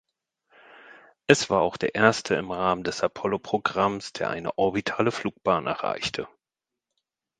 Es war auch der erste im Rahmen des Apollo-Programms, der eine orbitale Flugbahn erreichte.